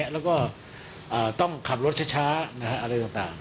แล้วก็ต้องขับรถช้าอะไรต่าง